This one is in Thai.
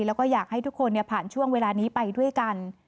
แล้วก็อยากให้ทุกคนผ่านช่วงเวลานี้ไปด้วยกัน